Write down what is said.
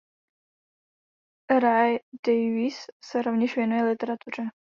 Ray Davies se rovněž věnuje literatuře.